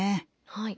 はい。